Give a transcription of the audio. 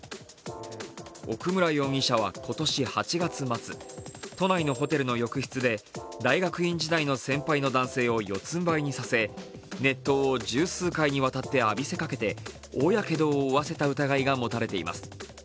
奥村容疑者は今年８月末、都内のホテルの浴室で大学院時代の先輩の男性を四つんばいにさせ、熱湯を十数回にわたって浴びせかけて大やけどを負わせた疑いが持たれています。